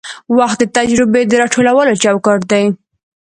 وخت د تجربې د راټولولو چوکاټ دی.